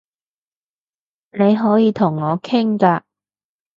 你可以同我傾㗎